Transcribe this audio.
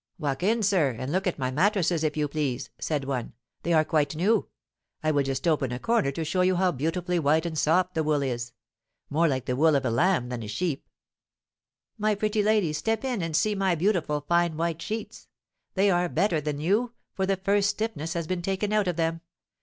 "Walk in, sir, and look at my mattresses, if you please," said one. "They are quite new. I will just open a corner to show you how beautifully white and soft the wool is, more like the wool of a lamb than a sheep." "My pretty lady, step in and see my beautiful, fine white sheets. They are better than new, for the first stiffness has been taken out of them.